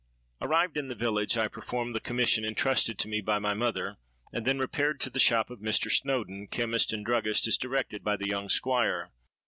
"Arrived in the village, I performed the commission entrusted to me by my mother, and then repaired to the shop of Mr. Snowdon, chemist and druggist, as directed by the young Squire.